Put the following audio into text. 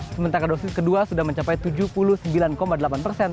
sementara dosis kedua sudah mencapai tujuh puluh sembilan delapan persen